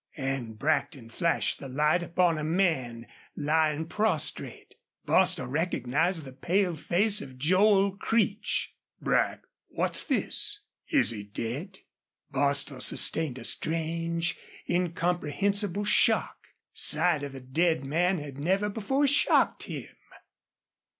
And Brackton flashed the light upon a man lying prostrate. Bostil recognized the pale face of Joel Creech. "Brack! ... What's this? Is he dead?" Bostil sustained a strange, incomprehensible shock. Sight of a dead man had never before shocked him.